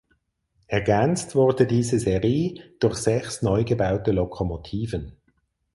Ergänzt wurde diese Serie durch sechs neu gebaute Lokomotiven.